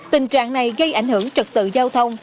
tình trạng này gây ảnh hưởng trật tự giao thông